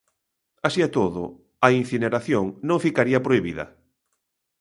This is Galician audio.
Así e todo, a incineración non ficaría prohibida.